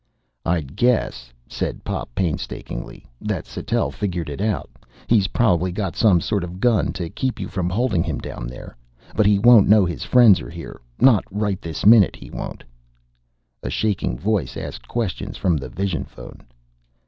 "I'd guess," said Pop painstakingly, "that Sattell figured it out. He's probably got some sort of gun to keep you from holding him down there. But he won't know his friends are here not right this minute he won't." A shaking voice asked questions from the vision phone.